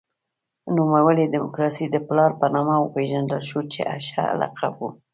نوموړی د دموکراسۍ د پلار په نامه وپېژندل شو چې ښه لقب و.